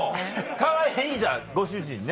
かわいいじゃんご主人ね。